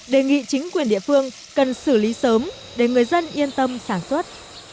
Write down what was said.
đề nghị chính quyền địa phương cần xử lý sớm để người dân yên tâm sản xuất